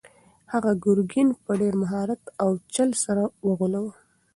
هغه ګرګین په ډېر مهارت او چل سره وغولاوه.